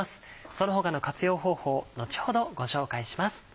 その他の活用方法後ほどご紹介します。